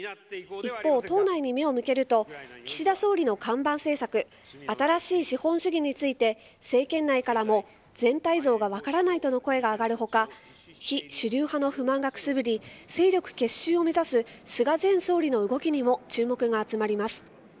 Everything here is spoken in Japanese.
一方、党内に目を向けると岸田総理の看板政策新しい資本主義について政権内からも全体像が分からないとの声が上がる他非主流派の不満がくすぶり勢力結集を目指す菅前総理の動きにも注目が集まります。